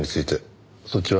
そっちは？